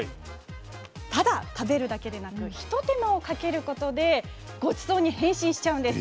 ただ食べるだけでなくひと手間をかけることでごちそうに変身しちゃうんです。